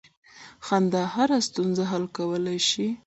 • خندا هره ستونزه حل کولی شي.